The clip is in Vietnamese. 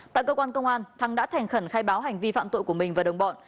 tại cơ quan công an thắng đã thành khẩn khai báo hành vi phạm tội của mình và đồng bọn